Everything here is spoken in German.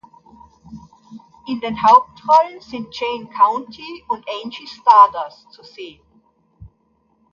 In den Hauptrollen sind Jayne County und Angie Stardust zu sehen.